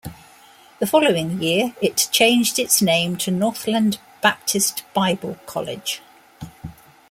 The following year, it changed its name to Northland Baptist Bible College.